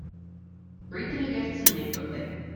Greet the new guests and leave quickly.